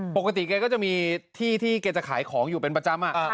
ปกติแกก็จะมีที่ที่แกจะขายของอยู่เป็นประจำ